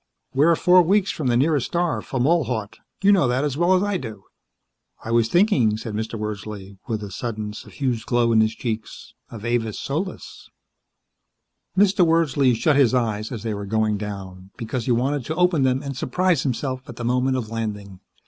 "We're four weeks from the nearest star, Fomalhaut; you know that as well as I do." "I was thinking," said Mr. Wordsley, with a sudden, suffused glow in his cheeks, "of Avis Solis." Mr. Wordsley shut his eyes as they were going down, because he wanted to open them and surprise himself, at the moment of landing.